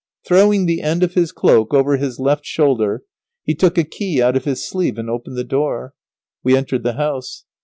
] Throwing the end of his cloak over his left shoulder, he took a key out of his sleeve and opened the door. We entered the house.